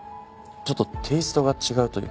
ちょっとテイストが違うというか。